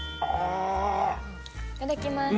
いただきます。